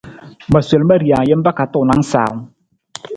Ma sol ma rijang jampa ka tuunang sawung.